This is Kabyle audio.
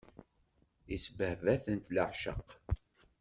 Isbehba-tent leɛceq.